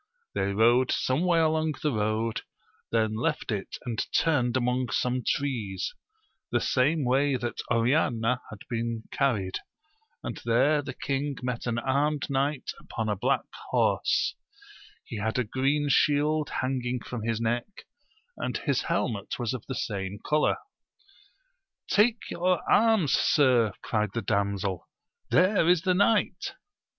They rode some way along the road, then left it and turned among some trees, the same way that Oriana had been carried, and there the king met an armed knight upon a black horse; he had a green shield hanging from his neck, and his helmet was of the same colour. Take your arms, sir, cried the damsel, there is the knight